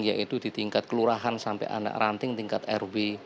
yaitu di tingkat kelurahan sampai anak ranting tingkat rw